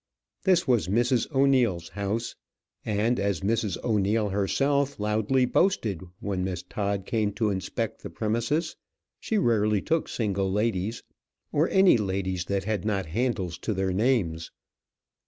This was Mrs. O'Neil's house; and, as Mrs. O'Neil herself loudly boasted when Miss Todd came to inspect the premises, she rarely took single ladies, or any ladies that had not handles to their names.